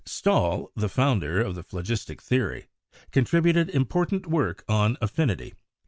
Stahl, the founder of the phlogistic theory, contributed important work on affinity.